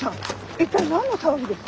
一体何の騒ぎです？